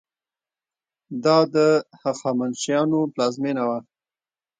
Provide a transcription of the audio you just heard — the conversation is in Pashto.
دا د هخامنشیانو پلازمینه وه.